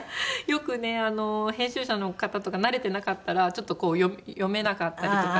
よくね編集者の方とか慣れてなかったらちょっとこう読めなかったりとかして。